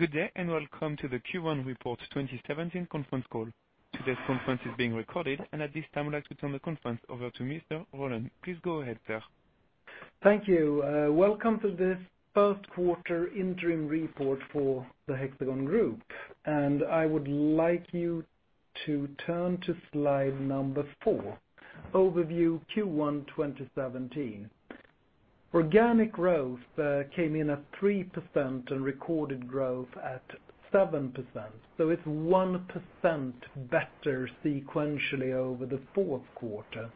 Good day, welcome to the Q1 Report 2017 conference call. Today's conference is being recorded, at this time, I'd like to turn the conference over to Mr. Rollén. Please go ahead, sir. Thank you. Welcome to this first quarter interim report for the Hexagon Group. I would like you to turn to slide number four, Overview Q1 2017. Organic growth came in at 3% and recorded growth at 7%, it's 1% better sequentially over the fourth quarter.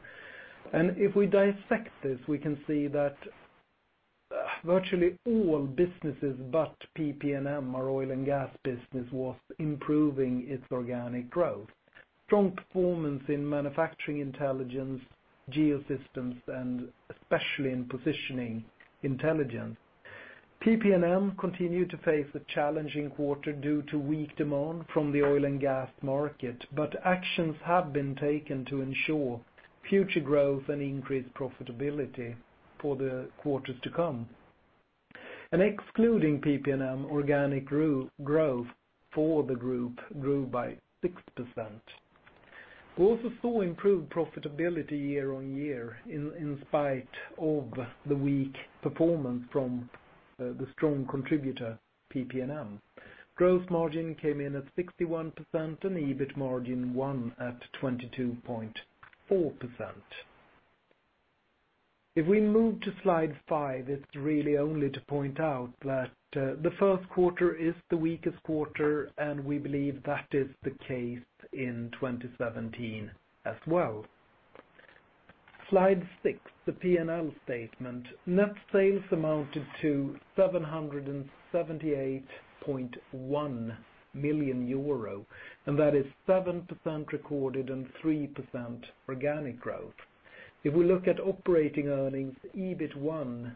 If we dissect this, we can see that virtually all businesses, but PP&M, our oil and gas business, was improving its organic growth. Strong performance in Manufacturing Intelligence, Geosystems, and especially in Positioning Intelligence. PP&M continued to face a challenging quarter due to weak demand from the oil and gas market, actions have been taken to ensure future growth and increased profitability for the quarters to come. Excluding PP&M, organic growth for the group grew by 6%. We also saw improved profitability year-on-year in spite of the weak performance from the strong contributor, PP&M. Gross margin came in at 61% and EBIT1 margin at 22.4%. We move to slide five, it's really only to point out that the first quarter is the weakest quarter, we believe that is the case in 2017 as well. Slide six, the P&L statement. Net sales amounted to 778.1 million euro, that is 7% recorded and 3% organic growth. We look at operating earnings, EBIT1,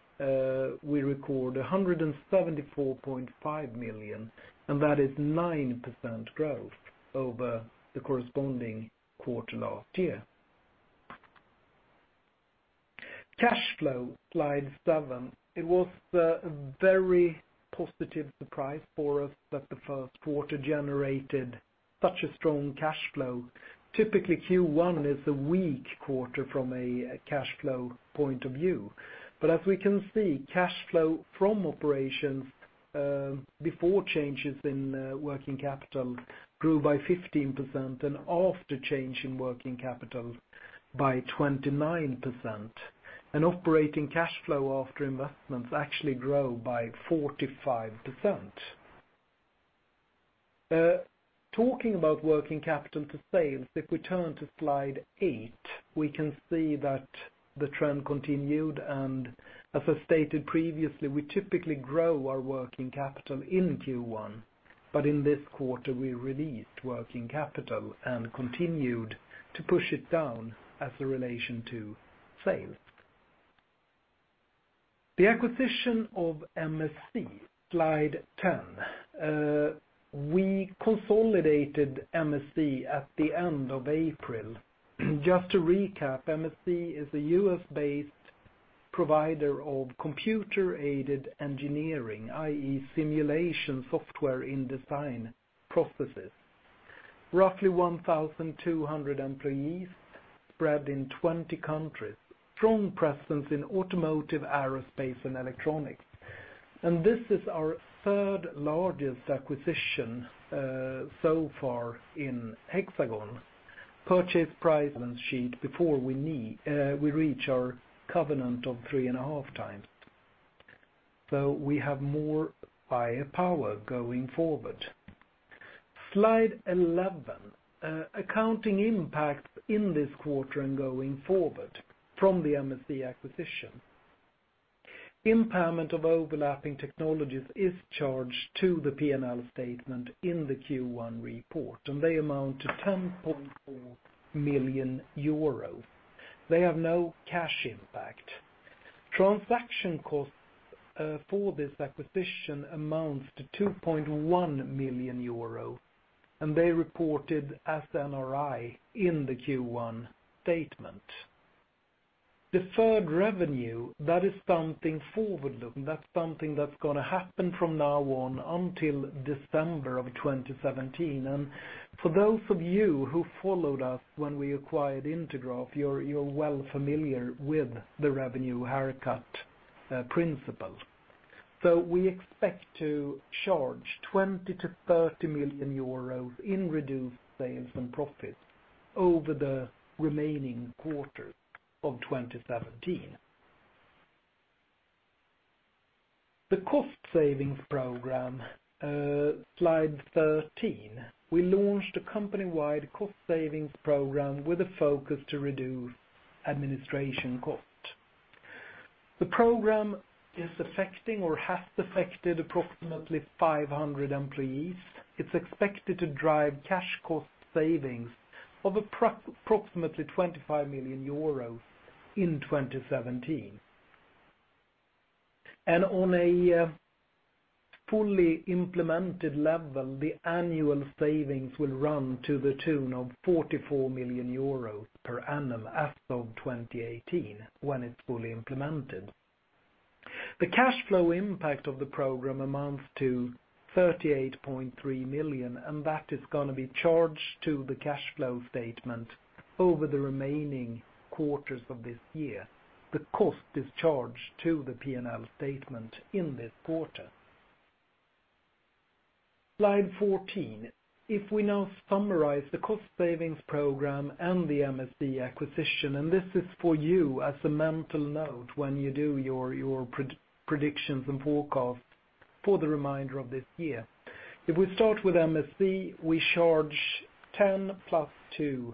we record 174.5 million, that is 9% growth over the corresponding quarter last year. Cash flow, slide seven. It was a very positive surprise for us that the first quarter generated such a strong cash flow. Typically, Q1 is a weak quarter from a cash flow point of view. As we can see, cash flow from operations, before changes in working capital, grew by 15%, after change in working capital by 29%. Operating cash flow after investments actually grow by 45%. Talking about working capital to sales, we turn to slide eight, we can see that the trend continued, as I stated previously, we typically grow our working capital in Q1. In this quarter, we released working capital and continued to push it down as a relation to sales. The acquisition of MSC, slide 10. We consolidated MSC at the end of April. Just to recap, MSC is a U.S.-based provider of computer-aided engineering, i.e. simulation software in design processes. Roughly 1,200 employees spread in 20 countries. Strong presence in automotive, aerospace, and electronics. This is our third-largest acquisition so far in Hexagon. Purchase price and sheet before we reach our covenant of three and a half times. We have more firepower going forward. Slide 11. Accounting impacts in this quarter and going forward from the MSC acquisition. Impairment of overlapping technologies is charged to the P&L statement in the Q1 report, and they amount to 10.4 million euro. They have no cash impact. Transaction costs for this acquisition amounts to 2.1 million euro, and they reported as NRI in the Q1 statement. Deferred revenue, that is something forward-looking. That's something that's going to happen from now on until December of 2017. For those of you who followed us when we acquired Intergraph, you're well familiar with the revenue haircut principle. We expect to charge 20 million-30 million euros in reduced sales and profit over the remaining quarters of 2017. The cost savings program, slide 13. We launched a company-wide cost savings program with a focus to reduce administration cost. The program is affecting or has affected approximately 500 employees. It's expected to drive cash cost savings of approximately 25 million euros in 2017. On a fully implemented level, the annual savings will run to the tune of 44 million euros per annum as of 2018, when it's fully implemented. The cash flow impact of the program amounts to 38.3 million, and that is going to be charged to the cash flow statement over the remaining quarters of this year. The cost is charged to the P&L statement in this quarter. Slide 14. If we now summarize the cost savings program and the MSC acquisition, and this is for you as a mental note when you do your predictions and forecasts for the remainder of this year. If we start with MSC, we charge 10 plus 2,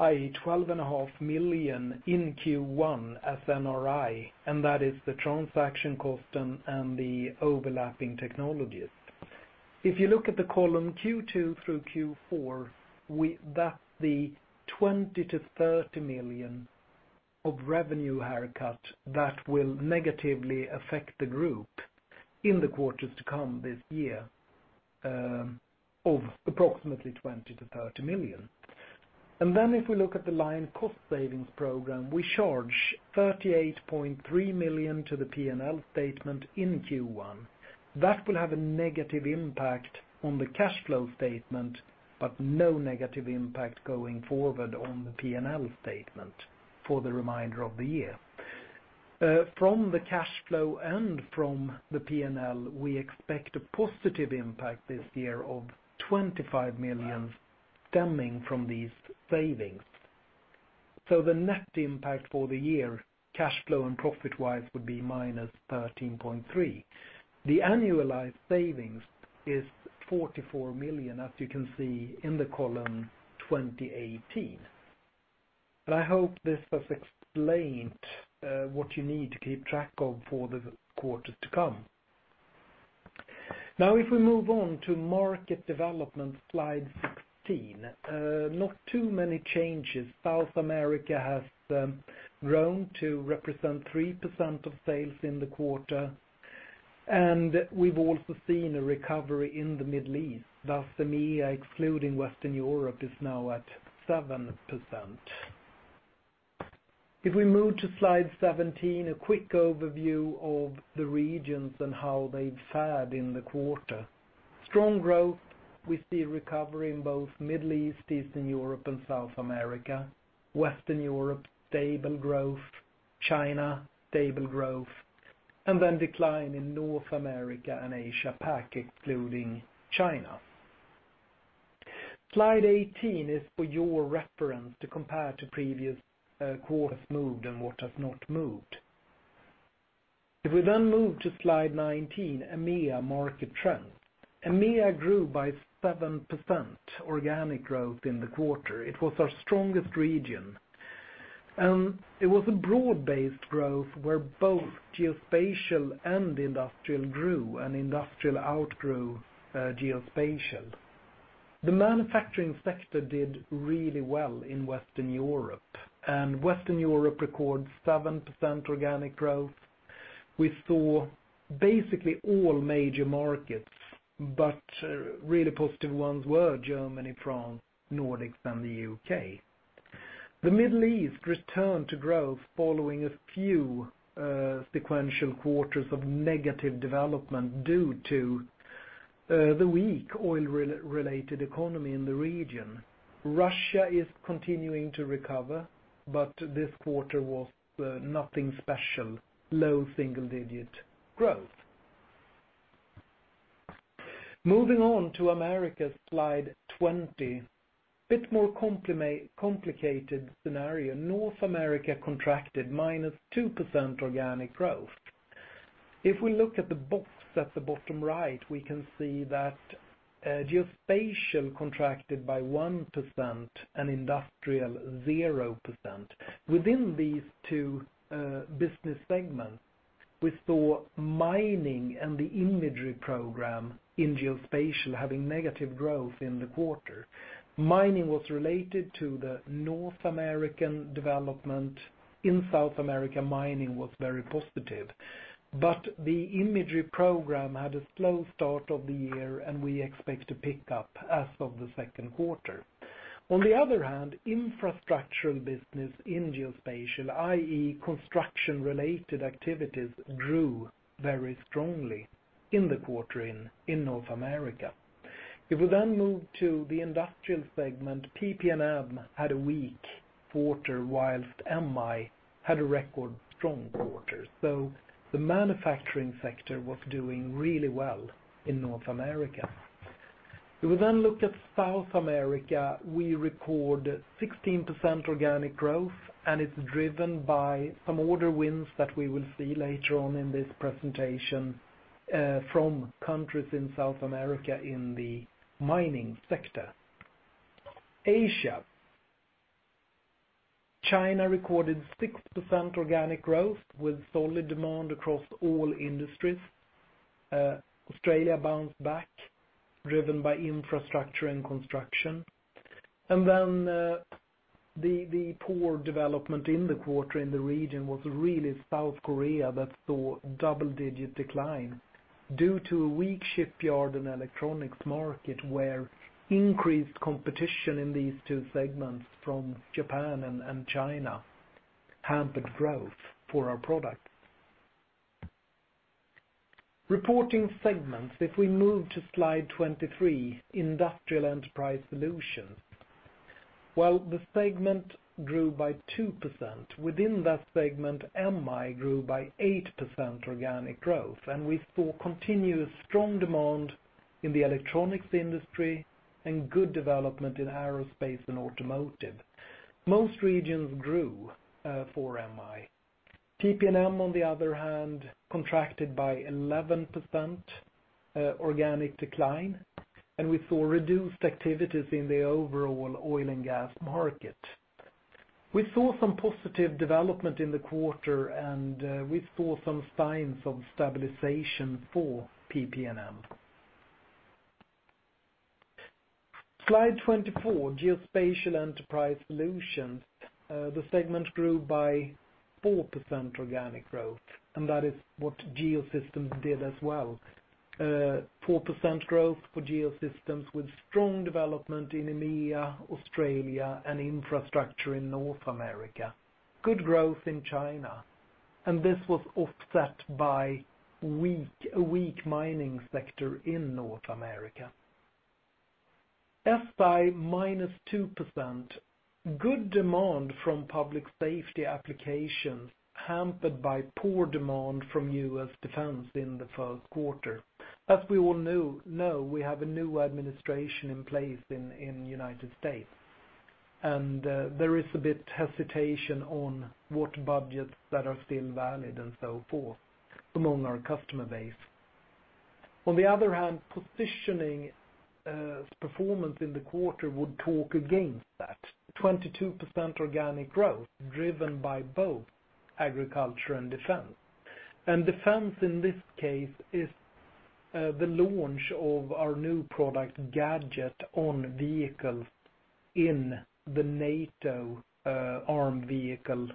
i.e. 12.5 million in Q1 as NRI, and that is the transaction cost and the overlapping technologies. If you look at the column Q2 through Q4, that's the 20 million-30 million of revenue haircut that will negatively affect the group in the quarters to come this year, of approximately 20 million-30 million. If we look at the line cost savings program, we charge 38.3 million to the P&L statement in Q1. That will have a negative impact on the cash flow statement, but no negative impact going forward on the P&L statement for the remainder of the year. From the cash flow and from the P&L, we expect a positive impact this year of 25 million stemming from these savings. The net impact for the year, cash flow and profit-wise, would be -13.3. The annualized savings is 44 million, as you can see in the column 2018. I hope this has explained what you need to keep track of for the quarters to come. If we move on to market development, slide 16. Not too many changes. South America has grown to represent 3% of sales in the quarter, and we've also seen a recovery in the Middle East. Thus, the EMEA, excluding Western Europe, is now at 7%. If we move to slide 17, a quick overview of the regions and how they've fared in the quarter. Strong growth. We see recovery in both Middle East, Eastern Europe, and South America. Western Europe, stable growth, China, stable growth, and then decline in North America and Asia Pac, excluding China. Slide 18 is for your reference to compare to previous quarters moved and what has not moved. If we move to slide 19, EMEA market trends. EMEA grew by 7% organic growth in the quarter. It was our strongest region. It was a broad-based growth where both geospatial and industrial grew, and industrial outgrew geospatial. The manufacturing sector did really well in Western Europe. Western Europe records 7% organic growth. We saw basically all major markets. Really positive ones were Germany, France, Nordics, and the U.K. The Middle East returned to growth following a few sequential quarters of negative development due to the weak oil-related economy in the region. Russia is continuing to recover. This quarter was nothing special, low single-digit growth. Moving on to Americas, slide 20. A bit more complicated scenario. North America contracted -2% organic growth. If we look at the box at the bottom right, we can see that geospatial contracted by 1% and industrial 0%. Within these two business segments, we saw mining and the imagery program in geospatial having negative growth in the quarter. Mining was related to the North American development. In South America, mining was very positive. The imagery program had a slow start of the year, and we expect to pick up as of the second quarter. On the other hand, infrastructural business in geospatial, i.e. construction-related activities, grew very strongly in the quarter in North America. If we move to the industrial segment, PP&M had a weak quarter, whilst MI had a record strong quarter. The manufacturing sector was doing really well in North America. If we look at South America, we record 16% organic growth, and it's driven by some order wins that we will see later on in this presentation from countries in South America in the mining sector. Asia. China recorded 6% organic growth with solid demand across all industries. Australia bounced back, driven by infrastructure and construction. The poor development in the quarter in the region was really South Korea that saw double-digit decline due to a weak shipyard and electronics market, where increased competition in these two segments from Japan and China hampered growth for our products. Reporting segments. If we move to slide 23, Industrial Enterprise Solutions. While the segment grew by 2%, within that segment, MI grew by 8% organic growth, and we saw continuous strong demand in the electronics industry and good development in aerospace and automotive. Most regions grew for MI. PP&M, on the other hand, contracted by 11% organic decline, and we saw reduced activities in the overall oil and gas market. We saw some positive development in the quarter, and we saw some signs of stabilization for PP&M. Slide 24, Geospatial Enterprise Solutions. The segment grew by 4% organic growth, and that is what Geo Systems did as well. 4% growth for Geo Systems with strong development in EMEA, Australia, and infrastructure in North America. Good growth in China. This was offset by a weak mining sector in North America. SI, -2%. Good demand from public safety applications, hampered by poor demand from U.S. defense in the first quarter. As we all know, we have a new administration in place in the United States. There is a bit hesitation on what budgets that are still valid and so forth among our customer base. On the other hand, positioning performance in the quarter would talk against that. 22% organic growth driven by both agriculture and defense. Defense, in this case, is the launch of our new product, GAJT on vehicles in the NATO arm vehicle.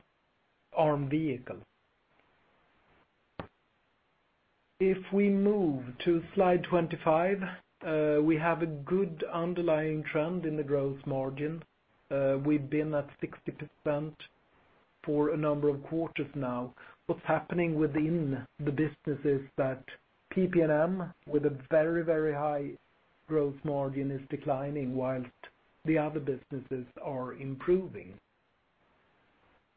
We move to slide 25, we have a good underlying trend in the growth margin. We've been at 60% for a number of quarters now. What's happening within the business is that PP&M with a very high growth margin is declining whilst the other businesses are improving.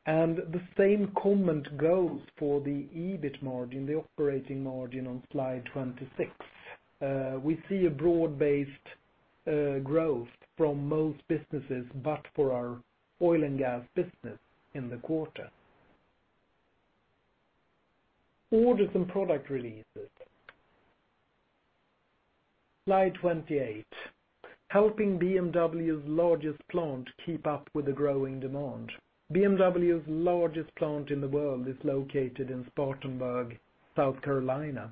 The same comment goes for the EBIT margin, the operating margin on slide 26. We see a broad-based growth from most businesses, but for our oil and gas business in the quarter. Orders and product releases. Slide 28. Helping BMW's largest plant keep up with the growing demand. BMW's largest plant in the world is located in Spartanburg, South Carolina,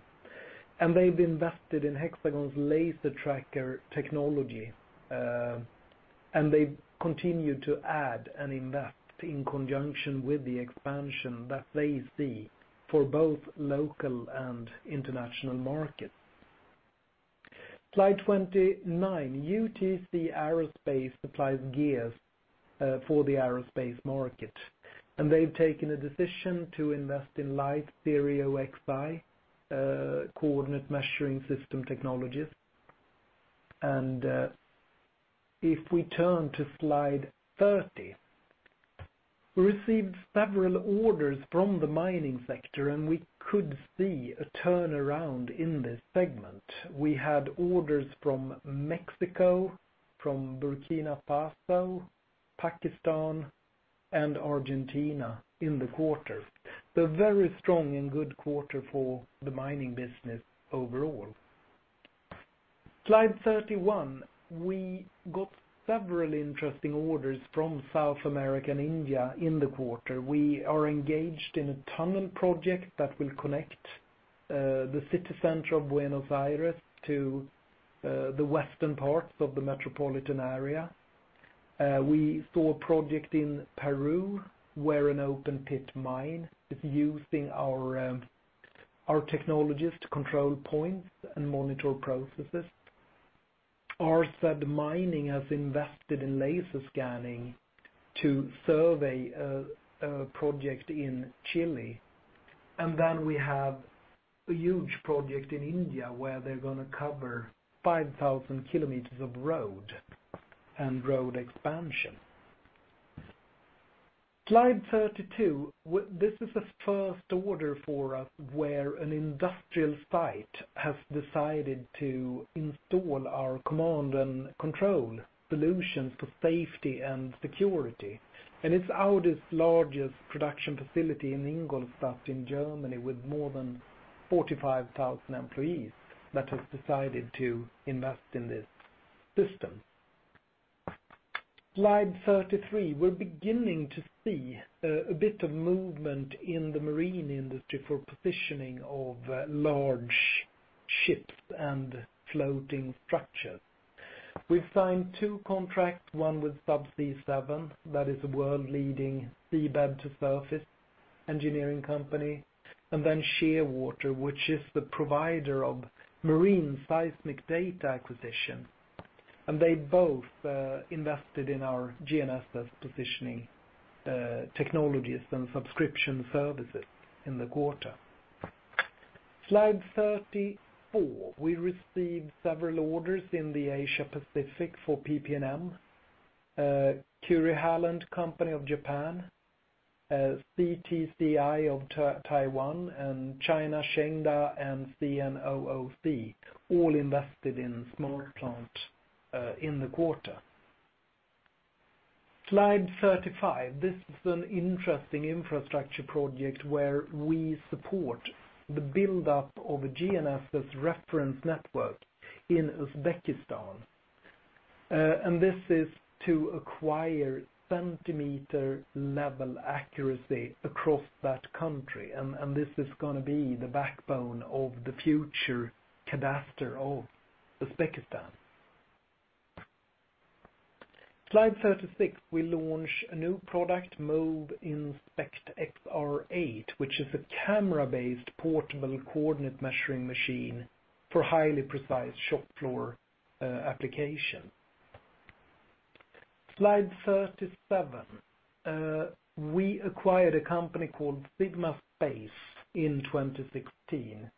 and they've invested in Hexagon's laser tracker technology, and they continue to add and invest in conjunction with the expansion that they see for both local and international markets. Slide 29. UTC Aerospace supplies gears for the aerospace market, and they've taken a decision to invest in Leitz XY coordinate measuring system technologies. If we turn to slide 30, we received several orders from the mining sector, and we could see a turnaround in this segment. We had orders from Mexico, from Burkina Faso, Pakistan, and Argentina in the quarter. A very strong and good quarter for the mining business overall. Slide 31. We got several interesting orders from South America and India in the quarter. We are engaged in a tunnel project that will connect the city center of Buenos Aires to the western parts of the metropolitan area. We saw a project in Peru where an open-pit mine is using our technologies to control points and monitor processes are said the mining has invested in laser scanning to survey a project in Chile. We have a huge project in India where they're going to cover 5,000 kilometers of road and road expansion. Slide 32. This is the first order for us where an industrial site has decided to install our command and control solutions for safety and security. It's Audi's largest production facility in Ingolstadt in Germany with more than 45,000 employees that have decided to invest in this system. Slide 33. We're beginning to see a bit of movement in the marine industry for positioning of large ships and floating structures. We've signed two contracts, one with Subsea 7, that is a world-leading seabed-to-surface engineering company, and then Shearwater, which is the provider of marine seismic data acquisition. They both invested in our GNSS positioning technologies and subscription services in the quarter. Slide 34. We received several orders in the Asia Pacific for PP&M. Kurihara Company of Japan, CTCI of Taiwan, China Shenda, and CNOOC, all invested in Smart Plant in the quarter. Slide 35. This is an interesting infrastructure project where we support the buildup of a GNSS reference network in Uzbekistan. This is to acquire centimeter-level accuracy across that country. This is going to be the backbone of the future cadastre of Uzbekistan. Slide 36. We launch a new product, MoveInspect XR8, which is a camera-based portable coordinate measuring machine for highly precise shop floor application. Slide 37. We acquired a company called Sigma Space in 2016.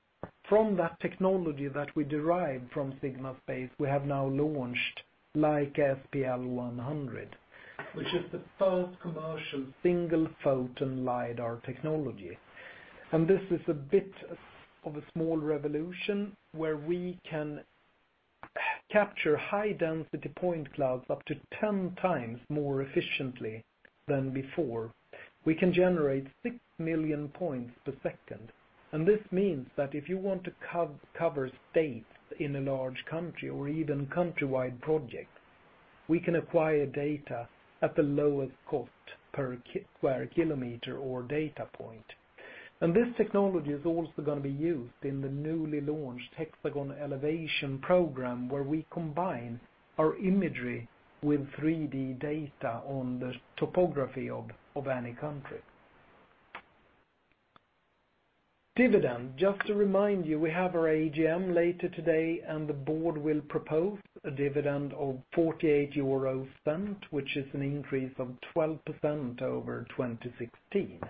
From that technology that we derived from Sigma Space, we have now launched Leica SPL100, which is the first commercial single photon LiDAR technology. This is a bit of a small revolution where we can capture high-density point clouds up to 10 times more efficiently than before. We can generate 6 million points per second. This means that if you want to cover states in a large country or even country-wide projects, we can acquire data at the lowest cost per square kilometer or data point. This technology is also going to be used in the newly launched HxGN Content Program, where we combine our imagery with 3D data on the topography of any country. Dividend. Just to remind you, we have our AGM later today, and the board will propose a dividend of 0.48, which is an increase of 12% over 2016.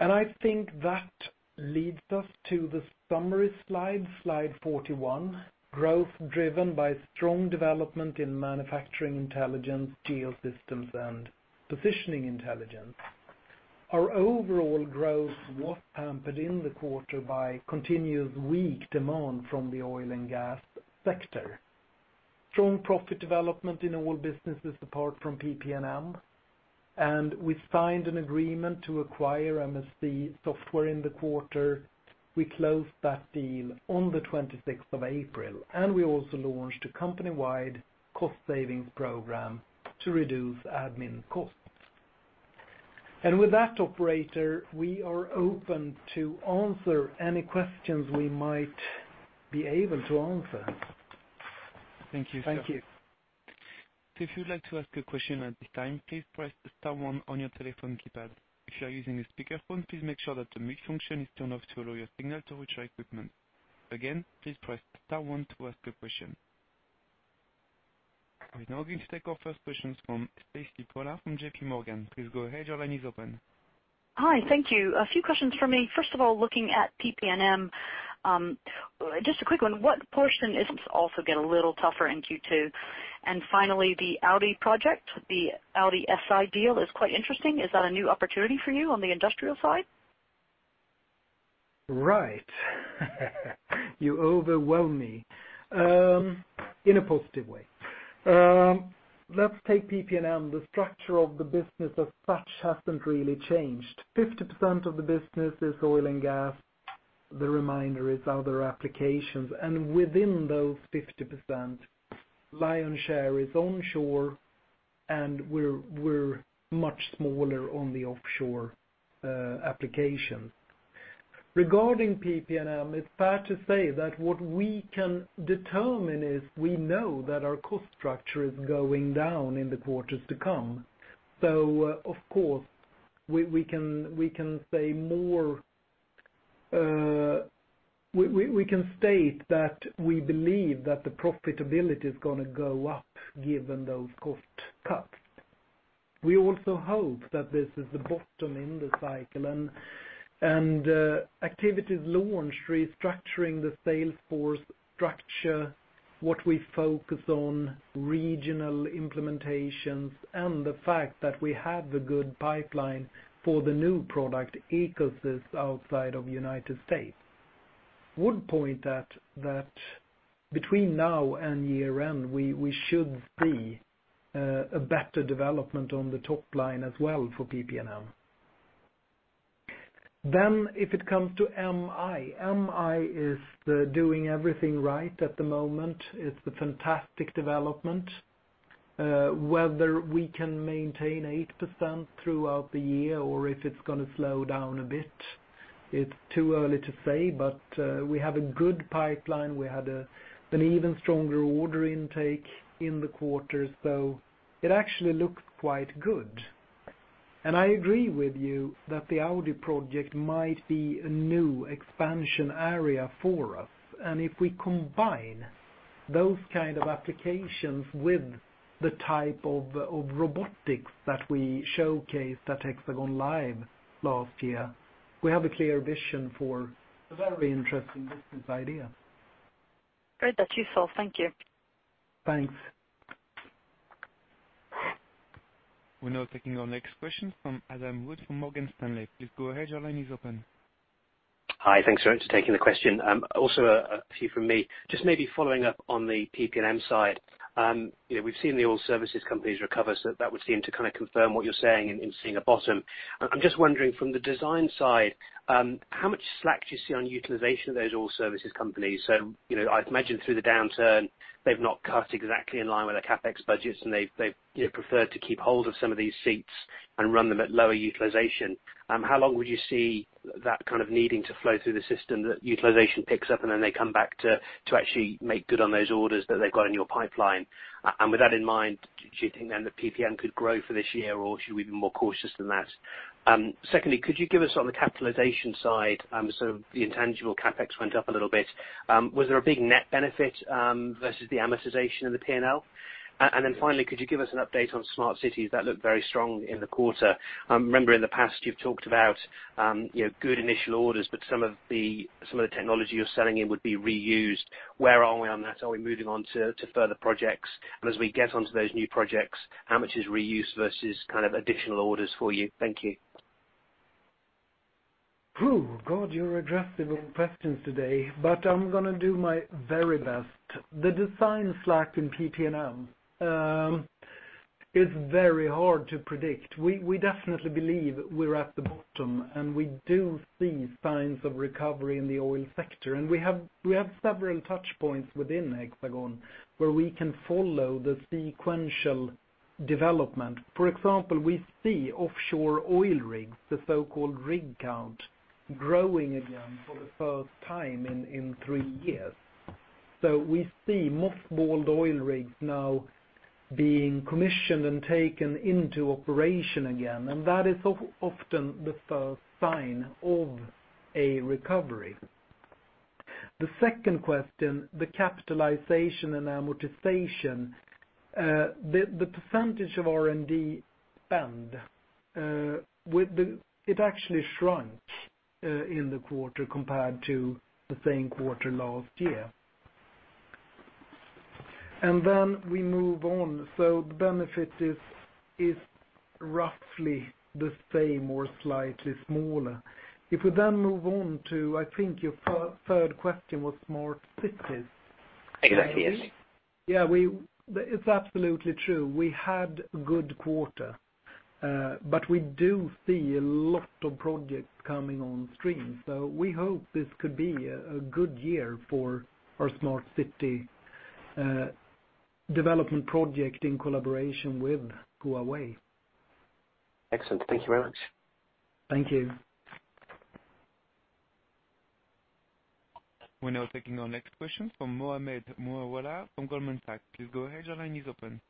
I think that leads us to the summary slide 41. Growth driven by strong development in Manufacturing Intelligence, Geosystems, and Positioning Intelligence. Our overall growth was hampered in the quarter by continuous weak demand from the oil and gas sector. Strong profit development in all businesses apart from Hexagon PPM. We signed an agreement to acquire MSC Software in the quarter. We closed that deal on the 26th of April. We also launched a company-wide cost savings program to reduce admin costs. With that, operator, we are open to answer any questions we might be able to answer. Thank you. Thank you. If you'd like to ask a question at this time, please press star one on your telephone keypad. If you are using a speakerphone, please make sure that the mute function is turned off to allow your signal to reach our equipment. Again, please press star one to ask a question. We're now going to take our first questions from Stacy Pollard from J.P. Morgan. Please go ahead. Your line is open. Hi. Thank you. A few questions for me. First of all, looking at PP&M, just a quick one. What portion also get a little tougher in Q2. Finally, the Audi project, the Audi SI deal is quite interesting. Is that a new opportunity for you on the industrial side? Right. You overwhelm me, in a positive way. Let's take PP&M. The structure of the business as such hasn't really changed. 50% of the business is oil and gas. The remainder is other applications, and within those 50%, lion's share is onshore, and we're much smaller on the offshore applications. Regarding PP&M, it's fair to say that what we can determine is we know that our cost structure is going down in the quarters to come. Of course, we can state that we believe that the profitability is going to go up given those cost cuts. We also hope that this is the bottom in the cycle, activities launched, restructuring the sales force structure, what we focus on, regional implementations, and the fact that we have a good pipeline for the new product ecosystem outside of the United States would point that between now and year-end, we should see a better development on the top line as well for PP&M. If it comes to MI is doing everything right at the moment. It's a fantastic development. Whether we can maintain 8% throughout the year or if it's going to slow down a bit, it's too early to say. We have a good pipeline. We had an even stronger order intake in the quarter, so it actually looks quite good. I agree with you that the Audi project might be a new expansion area for us. If we combine those kind of applications with the type of robotics that we showcased at HxGN LIVE last year, we have a clear vision for a very interesting business idea. Great that you saw. Thank you. Thanks. We're now taking our next question from Adam Wood from Morgan Stanley. Please go ahead. Your line is open. Hi. Thanks very much for taking the question. A few from me. Just maybe following up on the PP&M side. We've seen the oil services companies recover, so that would seem to confirm what you're saying in seeing a bottom. I'm just wondering from the design side, how much slack do you see on utilization of those oil services companies? I'd imagine through the downturn they've not cut exactly in line with their CapEx budgets, and they've preferred to keep hold of some of these seats and run them at lower utilization. How long would you see that needing to flow through the system? That utilization picks up, and then they come back to actually make good on those orders that they've got in your pipeline. With that in mind, do you think then that PP&M could grow for this year, or should we be more cautious than that? Secondly, could you give us on the capitalization side, the intangible CapEx went up a little bit. Was there a big net benefit versus the amortization in the P&L? Finally, could you give us an update on smart cities? That looked very strong in the quarter. I remember in the past you've talked about good initial orders, but some of the technology you're selling would be reused. Where are we on that? Are we moving on to further projects? As we get onto those new projects, how much is reuse versus additional orders for you? Thank you. Phew. God, you're aggressive on questions today, but I'm going to do my very best. The design slack in PP&M is very hard to predict. We definitely believe we're at the bottom, and we do see signs of recovery in the oil sector. We have several touch points within Hexagon where we can follow the sequential development. For example, we see offshore oil rigs, the so-called rig count, growing again for the first time in 3 years. We see mothballed oil rigs now being commissioned and taken into operation again, and that is often the first sign of a recovery. The second question, the capitalization and amortization, the percentage of R&D spend it actually shrunk in the quarter compared to the same quarter last year. We move on. The benefit is roughly the same or slightly smaller. If we then move on to, I think your third question was smart cities. Exactly, yes. Yeah. It's absolutely true. We had a good quarter, but we do see a lot of projects coming on stream, so we hope this could be a good year for our smart city development project in collaboration with Huawei. Excellent. Thank you very much. Thank you. We're now taking our next question from Mohammed Moawalla from Goldman Sachs. Please go ahead. Your line is open.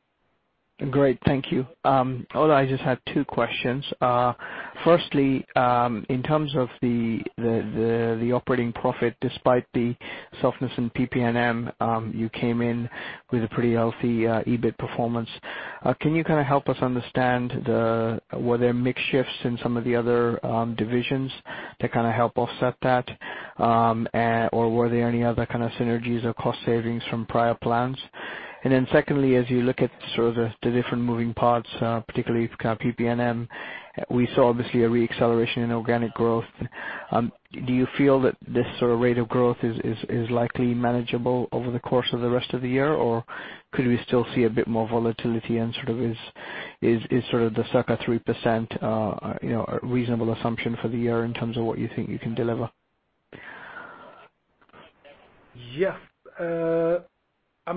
Great. Thank you. Ola, I just have two questions. Firstly, in terms of the operating profit, despite the softness in PP&M, you came in with a pretty healthy EBIT performance. Can you help us understand, were there mix shifts in some of the other divisions to help offset that? Were there any other synergies or cost savings from prior plans? Secondly, as you look at the different moving parts, particularly PP&M, we saw obviously a re-acceleration in organic growth. Do you feel that this rate of growth is likely manageable over the course of the rest of the year, or could we still see a bit more volatility, and is the circa 3% a reasonable assumption for the year in terms of what you think you can deliver? Yes.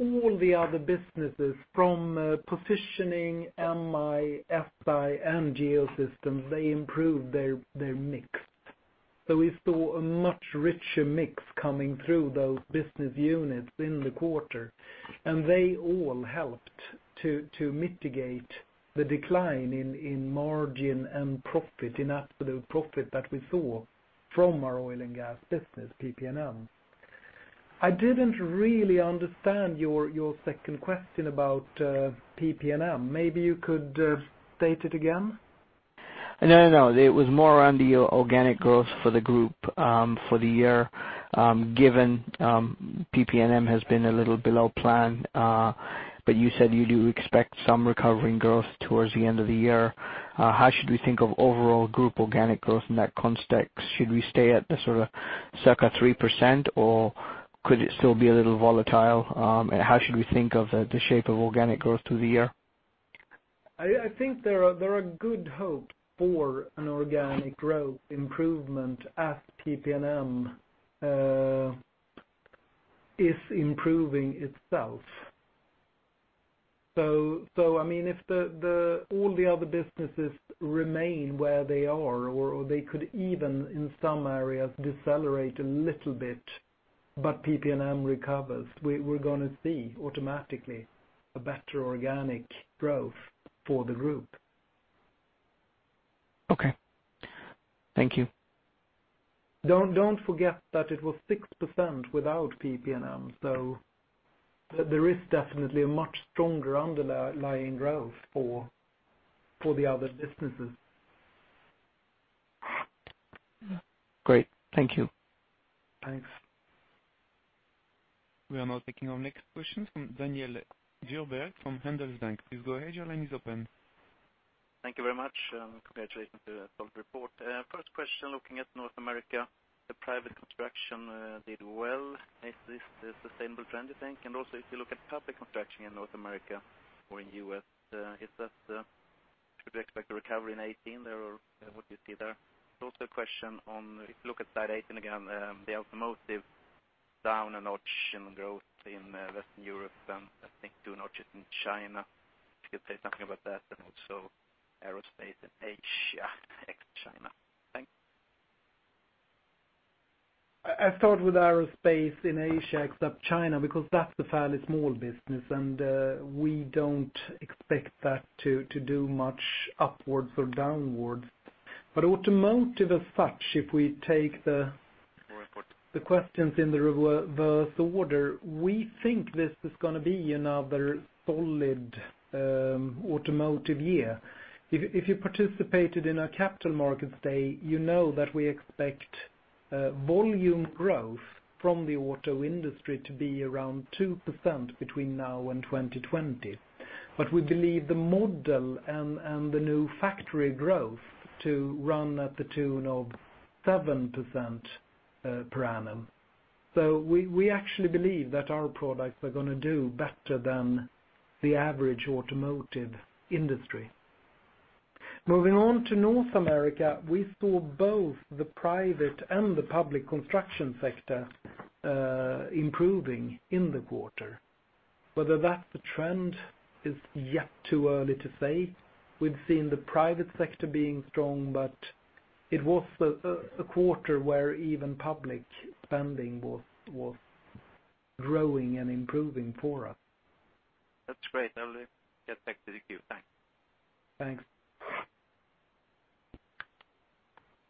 All the other businesses from positioning, MI, SI, and Geosystems, they improved their mix. We saw a much richer mix coming through those business units in the quarter, and they all helped to mitigate the decline in margin and profit, in absolute profit that we saw from our oil and gas business, PP&M. I didn't really understand your second question about PP&M. Maybe you could state it again. No, it was more around the organic growth for the group for the year, given PP&M has been a little below plan. You said you do expect some recovering growth towards the end of the year. How should we think of overall group organic growth in that context? Should we stay at the circa 3%, or could it still be a little volatile? How should we think of the shape of organic growth through the year? I think there are good hope for an organic growth improvement as PP&M is improving itself. If all the other businesses remain where they are, or they could even, in some areas, decelerate a little bit But PP&M recovers, we're going to see automatically a better organic growth for the group. Okay. Thank you. Don't forget that it was 6% without PP&M, so there is definitely a much stronger underlying growth for the other businesses. Great. Thank you. Thanks. We are now taking our next question from Daniel Djurberg from Handelsbanken. Please go ahead. Your line is open. Congratulations to that solid report. First question, looking at North America, the private construction did well. Is this a sustainable trend, you think? Also, if you look at public construction in North America or in U.S., should we expect a recovery in 2018 there, or what do you see there? Also a question on, if you look at slide 18 again, the automotive down a notch in growth in Western Europe and I think two notches in China. If you could say something about that and also aerospace in Asia, ex-China. Thanks. I start with aerospace in Asia, except China, because that's a fairly small business. We don't expect that to do much upwards or downwards. Very important We take the questions in the reverse order. We think this is going to be another solid automotive year. If you participated in our Capital Markets Day, you know that we expect volume growth from the auto industry to be around 2% between now and 2020. We believe the model and the new factory growth to run at the tune of 7% per annum. We actually believe that our products are going to do better than the average automotive industry. Moving on to North America, we saw both the private and the public construction sector improving in the quarter. Whether that's the trend is yet too early to say. We've seen the private sector being strong, but it was a quarter where even public spending was growing and improving for us. That's great. I'll get back to the queue. Thanks. Thanks.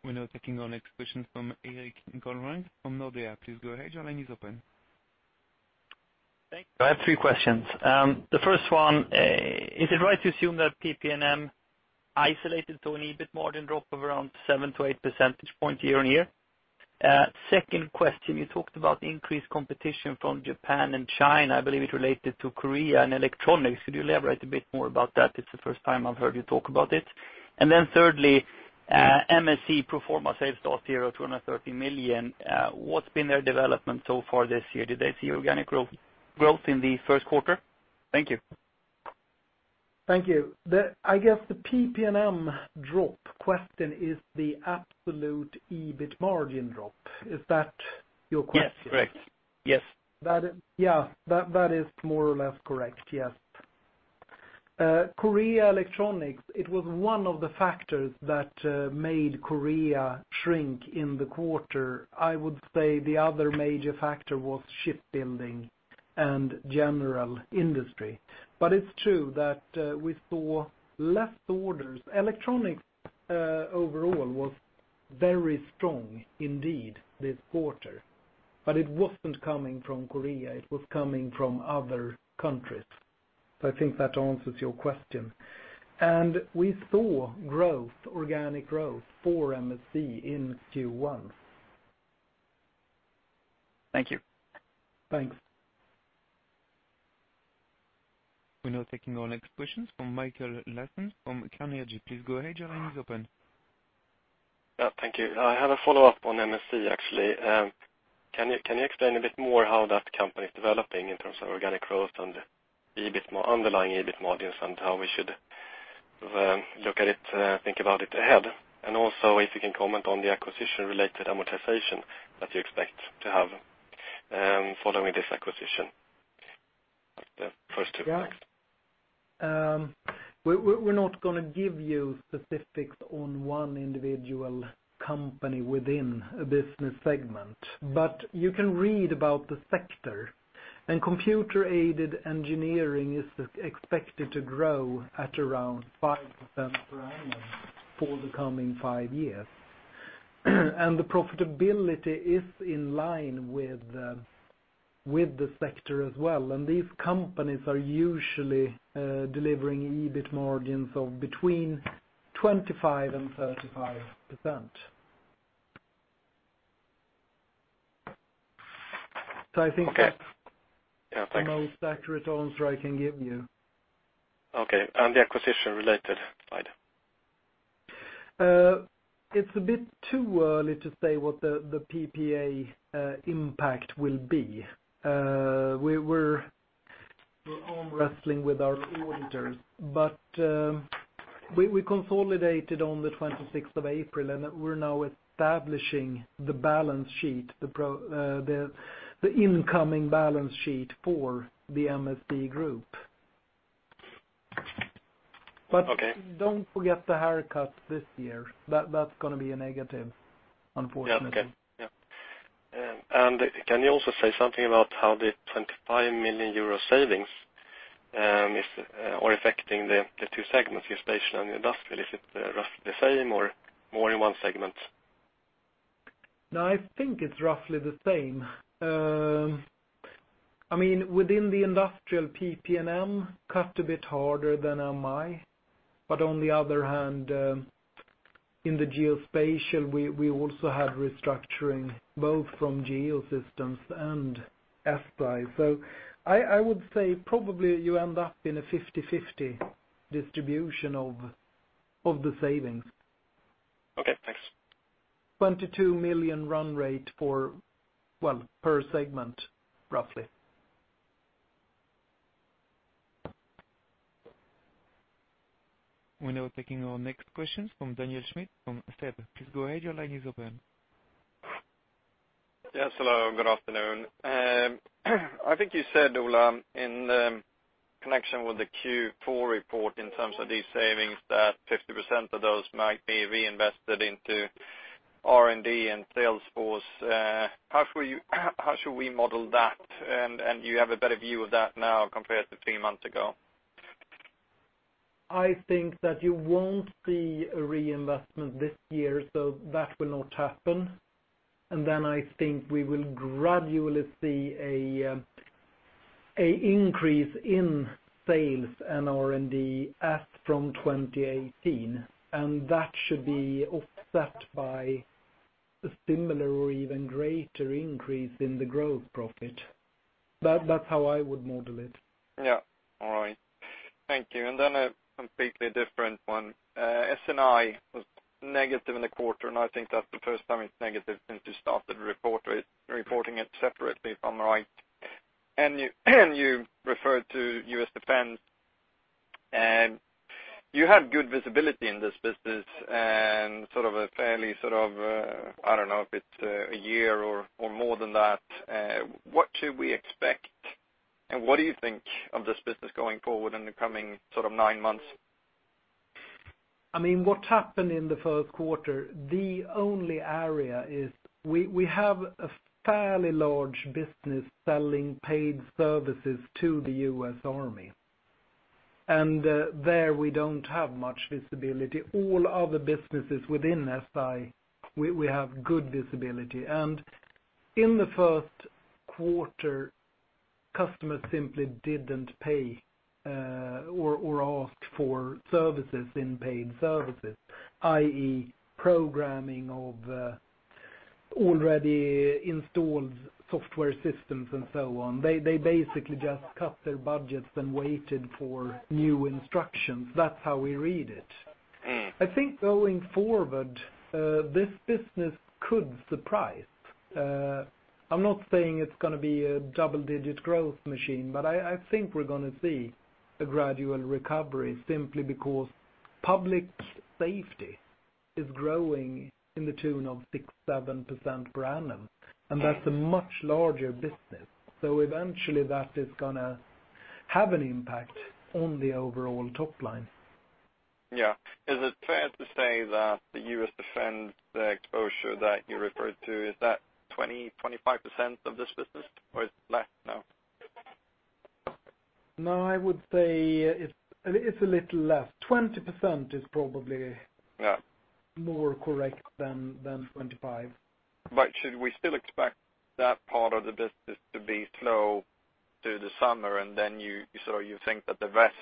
We're now taking our next question from Erik Golrang from Nordea. Please go ahead. Your line is open. Thank you. I have three questions. The first one, is it right to assume that PP&M isolated to an EBIT margin drop of around 7-8 percentage points year-on-year? Second question, you talked about increased competition from Japan and China. I believe it related to Korea and electronics. Could you elaborate a bit more about that? It's the first time I've heard you talk about it. Thirdly, MSC Pro forma sales last year were 230 million. What's been their development so far this year? Did they see organic growth in the first quarter? Thank you. Thank you. I guess the PP&M drop question is the absolute EBIT margin drop. Is that your question? Yes, correct. Yes. Yeah. That is more or less correct, yes. Korea Electronics, it was one of the factors that made Korea shrink in the quarter. I would say the other major factor was shipbuilding and general industry. It's true that we saw less orders. Electronics overall was very strong indeed this quarter, but it wasn't coming from Korea. It was coming from other countries. I think that answers your question. We saw growth, organic growth for MSC in Q1. Thank you. Thanks. We're now taking our next question from Mikael Laséen from Carnegie. Please go ahead. Your line is open. Yeah, thank you. I have a follow-up on MSC, actually. Can you explain a bit more how that company is developing in terms of organic growth and underlying EBIT margins, and how we should look at it, think about it ahead? Also, if you can comment on the acquisition-related amortization that you expect to have following this acquisition. That's the first two questions. We're not going to give you specifics on one individual company within a business segment, but you can read about the sector. Computer-aided engineering is expected to grow at around 5% per annum for the coming five years. The profitability is in line with the sector as well. These companies are usually delivering EBIT margins of between 25% and 35%. I think that's- Okay. Yeah, thank you the most accurate answer I can give you. Okay. The acquisition related side? It's a bit too early to say what the PPA impact will be. We're wrestling with our auditors, but we consolidated on the 26th of April, and we're now establishing the balance sheet, the incoming balance sheet for the MSC group. Don't forget the haircut this year. That's going to be a negative, unfortunately. Yeah, okay. Can you also say something about how the 25 million euro savings are affecting the two segments, Geospatial and Industrial? Is it roughly the same or more in one segment? No, I think it's roughly the same. Within the Industrial, PPM cut a bit harder than MI. On the other hand, in the Geospatial, we also had restructuring both from Geosystems and SI. I would say probably you end up in a 50/50 distribution of the savings. Okay, thanks. 22 million run rate per segment, roughly. We're now taking our next questions from Daniel Schmidt from SEB. Please go ahead. Your line is open. Yes, hello. Good afternoon. I think you said, Ola, in connection with the Q4 report in terms of these savings, that 50% of those might be reinvested into R&D and salesforce. How should we model that? You have a better view of that now compared to three months ago. I think that you won't see a reinvestment this year, so that will not happen. I think we will gradually see an increase in sales and R&D as from 2018, that should be offset by a similar or even greater increase in the gross profit. That's how I would model it. Yeah. All right. Thank you. A completely different one. SI was negative in the quarter, I think that's the first time it's negative since you started reporting it separately, if I'm right. You referred to U.S. Defense, you had good visibility in this business, sort of a fairly, I don't know if it's a year or more than that, what should we expect and what do you think of this business going forward in the coming nine months? What happened in the first quarter, the only area is we have a fairly large business selling paid services to the U.S. Army, there we don't have much visibility. All other businesses within SI, we have good visibility. In the first quarter, customers simply didn't pay or ask for services in paid services, i.e., programming of already installed software systems and so on. They basically just cut their budgets and waited for new instructions. That's how we read it. I think going forward, this business could surprise. I'm not saying it's going to be a double-digit growth machine, I think we're going to see a gradual recovery simply because public safety is growing in the tune of 6%, 7% per annum, that's a much larger business. Eventually that is going to have an impact on the overall top line. Yeah. Is it fair to say that the U.S. Defense exposure that you referred to, is that 20%, 25% of this business, or it's less now? No, I would say it's a little less. 20% is probably. Yeah More correct than 25. Should we still expect that part of the business to be slow through the summer, and then you think that the rest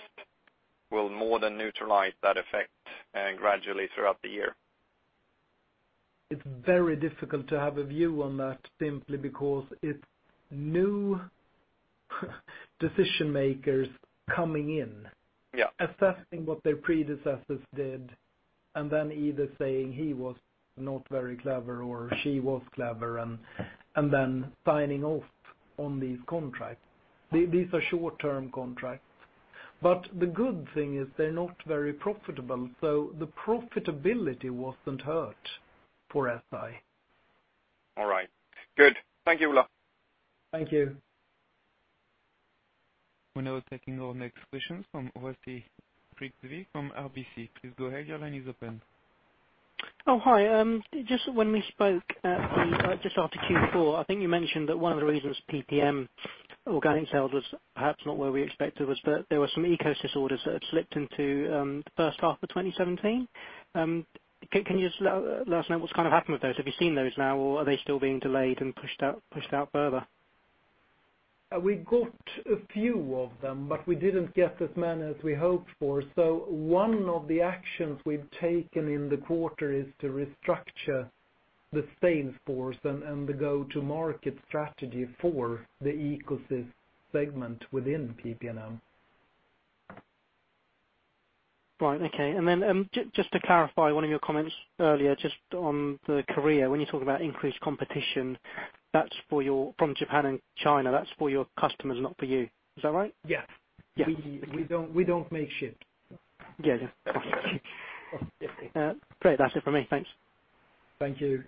will more than neutralize that effect gradually throughout the year? It's very difficult to have a view on that simply because it's new decision-makers coming in- Yeah assessing what their predecessors did, and then either saying, "He was not very clever," or, "She was clever," and then signing off on these contracts. These are short-term contracts. The good thing is they're not very profitable, so the profitability wasn't hurt for SI. All right. Good. Thank you, Ola. Thank you. We're now taking our next questions from Stacy Pereira from RBC. Please go ahead. Your line is open. Oh, hi. Just when we spoke just after Q4, I think you mentioned that one of the reasons PPM organic sales was perhaps not where we expected was that there were some ecosystem orders that had slipped into the first half of 2017. Can you just let us know what's happened with those? Have you seen those now, or are they still being delayed and pushed out further? We got a few of them, we didn't get as many as we hoped for. One of the actions we've taken in the quarter is to restructure the salesforce and the go-to-market strategy for the ecosystem segment within PP&M. Right. Okay. Just to clarify one of your comments earlier, just on the Korea, when you talk about increased competition, that's from Japan and China, that's for your customers, not for you. Is that right? Yeah. Yeah. We don't make ships. Yeah. Great. That's it for me. Thanks. Thank you.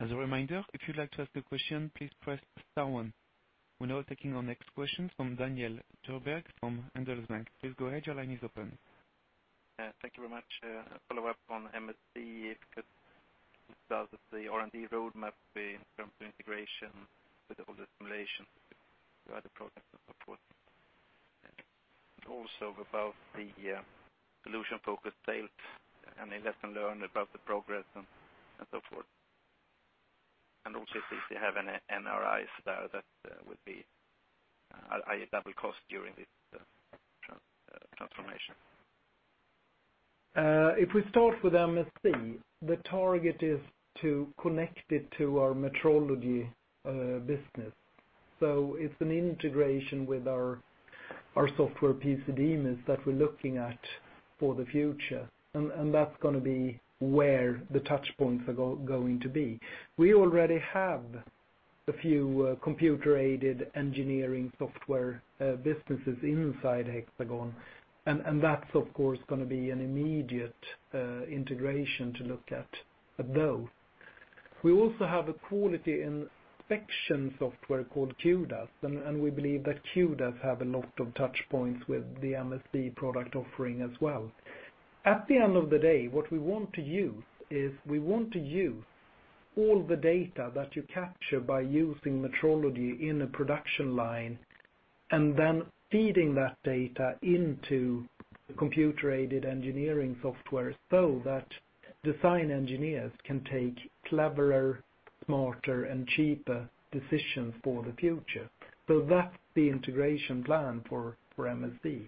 As a reminder, if you'd like to ask a question, please press star one. We're now taking our next question from Daniel Jönsson from Handelsbanken. Please go ahead. Your line is open. Thank you very much. Follow up on MSC. It starts with the R&D roadmap in terms of integration with all the simulations, you had a program and so forth. Also about the solution-focused sales. Any lesson learned about the progress and so forth, and also if you have any NRIs there that will be double cost during this transformation. If we start with MSD, the target is to connect it to our metrology business. It's an integration with our software piece, XEMAS, that we're looking at for the future, and that's going to be where the touch points are going to be. We already have a few computer-aided engineering software businesses inside Hexagon, and that's of course going to be an immediate integration to look at those. We also have a quality inspection software called Q-DAS, and we believe that Q-DAS have a lot of touch points with the MSC product offering as well. At the end of the day, what we want to use is we want to use all the data that you capture by using metrology in a production line, and then feeding that data into the computer-aided engineering software so that design engineers can take cleverer, smarter, and cheaper decisions for the future. That's the integration plan for MSD.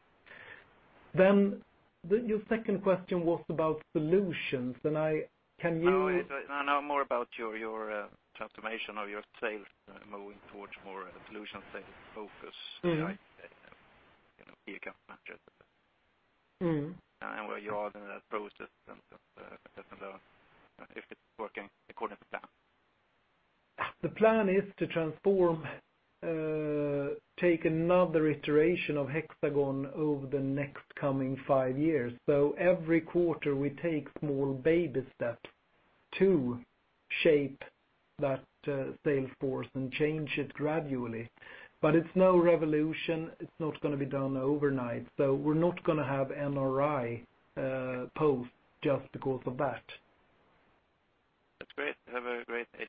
Your second question was about solutions, can you- No, more about your transformation of your sales moving towards more solution sales focus. Key account managers. Where you are in that process and if it's working according to plan. The plan is to transform, take another iteration of Hexagon over the next coming five years. Every quarter we take small baby steps to shape that sales force and change it gradually. It's no revolution. It's not going to be done overnight. We're not going to have NRI post just because of that. That's great. Have a great day.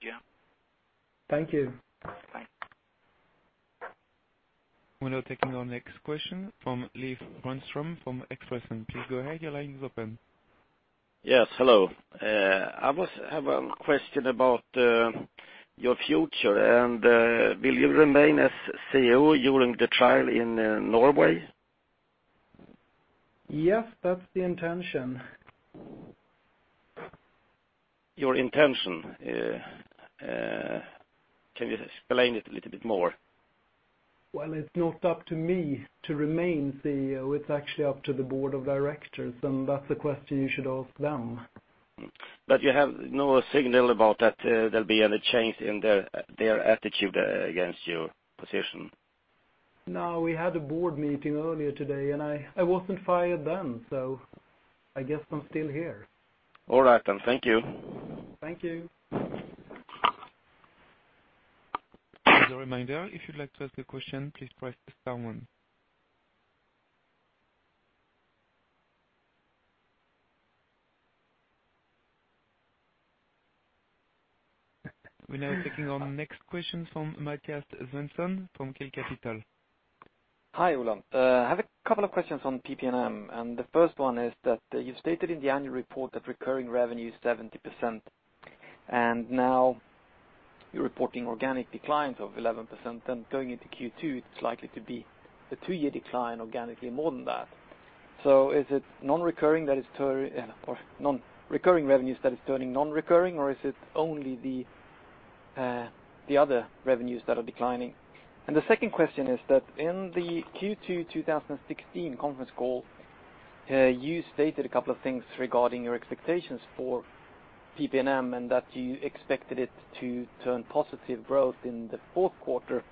Thank you. Bye. We are now taking our next question from Leif Granström from Expressen. Please go ahead. Your line is open. Yes, hello. I have a question about your future and will you remain as CEO during the trial in Norway? Yes, that is the intention. Your intention, can you explain it a little bit more? Well, it's not up to me to remain CEO. It's actually up to the board of directors, and that's a question you should ask them. You have no signal about that there'll be any change in their attitude against your position? No, we had a board meeting earlier today, and I wasn't fired then, so I guess I'm still here. All right, then. Thank you. Thank you. As a reminder, if you'd like to ask a question, please press star one. We are now taking our next question from Mathias Svensson from Keel Capital. Hi, Ola. I have a couple of questions on PP&M. The first one is that you stated in the annual report that recurring revenue is 70%, and now you are reporting organic declines of 11%. Going into Q2, it is likely to be a two-year decline organically more than that. Is it recurring revenues that is turning non-recurring, or is it only the other revenues that are declining? The second question is that in the Q2 2016 conference call, you stated a couple of things regarding your expectations for PP&M and that you expected it to turn positive growth in the fourth quarter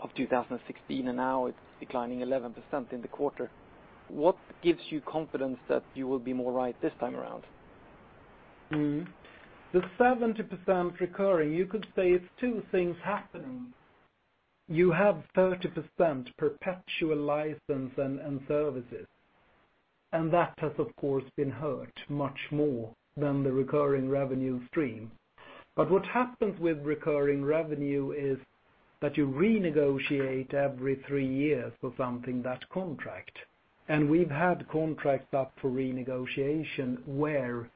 of 2016, and now it is declining 11% in the quarter. What gives you confidence that you will be more right this time around? The 70% recurring, you could say it's two things happening. You have 30% perpetual license and services, that has, of course, been hurt much more than the recurring revenue stream. What happens with recurring revenue is that you renegotiate every three years for something, that contract. We've had contracts up for renegotiation where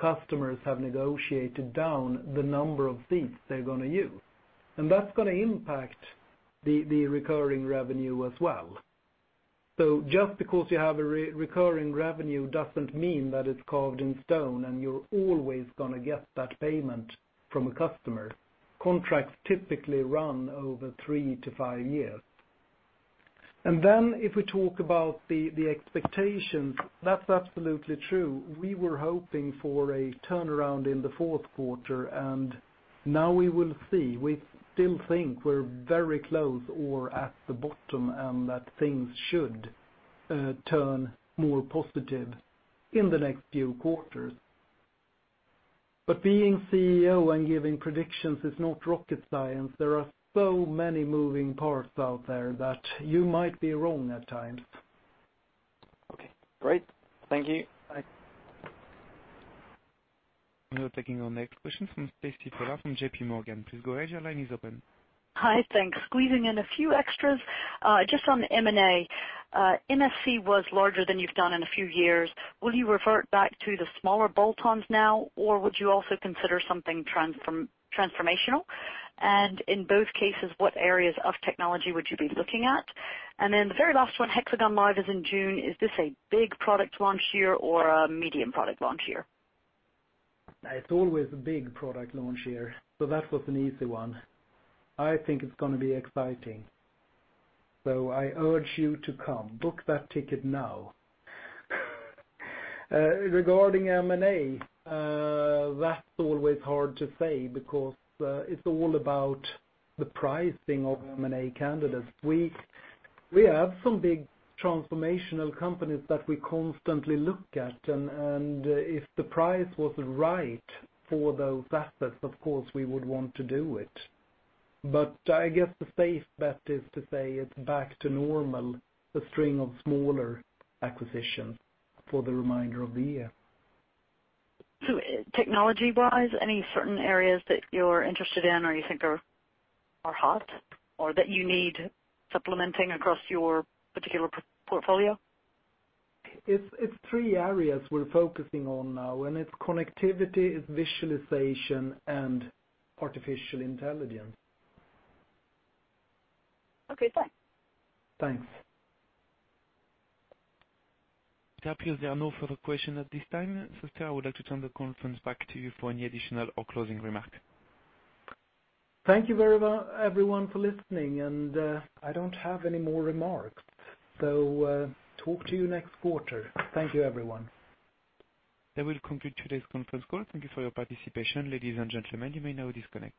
customers have negotiated down the number of seats they're going to use, and that's going to impact the recurring revenue as well. Just because you have a recurring revenue doesn't mean that it's carved in stone and you're always going to get that payment from a customer. Contracts typically run over three to five years. If we talk about the expectations, that's absolutely true. We were hoping for a turnaround in the fourth quarter, now we will see. We still think we're very close or at the bottom, that things should turn more positive in the next few quarters. Being CEO and giving predictions is not rocket science. There are so many moving parts out there that you might be wrong at times. Okay, great. Thank you. Bye. We are taking our next question from Stacy Pollard from J.P. Morgan. Please go ahead. Your line is open. Hi. Thanks. Squeezing in a few extras. Just on the M&A. MSC was larger than you've done in a few years. Will you revert back to the smaller bolt-ons now, or would you also consider something transformational? In both cases, what areas of technology would you be looking at? The very last one, HxGN LIVE is in June. Is this a big product launch year or a medium product launch year? It's always a big product launch year, so that was an easy one. I think it's going to be exciting. I urge you to come. Book that ticket now. Regarding M&A, that's always hard to say because it's all about the pricing of M&A candidates. We have some big transformational companies that we constantly look at, if the price was right for those assets, of course, we would want to do it. I guess the safe bet is to say it's back to normal, the string of smaller acquisitions for the remainder of the year. Technology-wise, any certain areas that you're interested in or you think are hot or that you need supplementing across your particular portfolio? It's three areas we're focusing on now, and it's connectivity, it's visualization, and artificial intelligence. Okay, thanks. Thanks. Fabio, there are no further questions at this time. Rollén, I would like to turn the conference back to you for any additional or closing remarks. Thank you very much everyone for listening. I don't have any more remarks. Talk to you next quarter. Thank you, everyone. That will conclude today's conference call. Thank you for your participation. Ladies and gentlemen, you may now disconnect.